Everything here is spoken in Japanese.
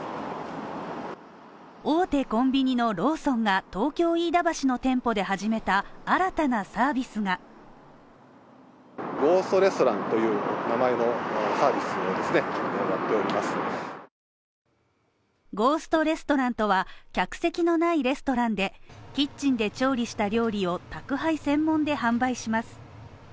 大手コンビニのローソンが東京飯田橋の店舗で始めた新たなサービスがゴーストレストランとは客席のないレストランで、キッチンで調理した料理を宅配専門で販売します。